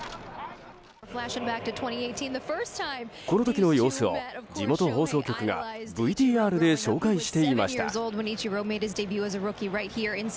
この時の様子を地元放送局がＶＴＲで紹介していました。